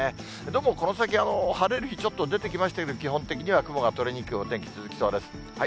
どうもこの先は晴れる日、ちょっと出てきましたけど、基本的には雲が取れにくいお天気続きそうです。